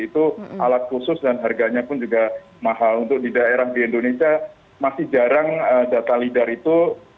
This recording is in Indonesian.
itu alat khusus dan harganya pun juga mahal untuk di daerah di indonesia masih jarang data lidar itu